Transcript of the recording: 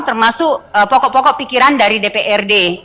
termasuk pokok pokok pikiran dari dprd